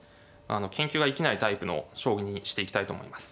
研究が生きないタイプの将棋にしていきたいと思います。